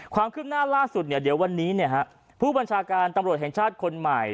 ความคืบหน้าล่าสุดเนี่ยเดี๋ยววันนี้ผู้บัญชาการตำรวจแห่งชาติคนใหม่